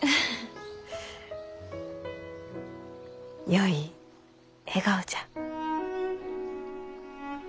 よい笑顔じゃ。